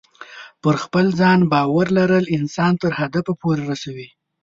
پر خپل ځان باور لرل انسان تر هدف پورې رسوي.